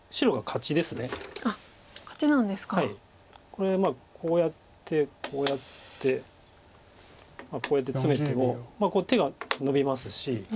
これこうやってこうやってこうやってツメても手がノビますし。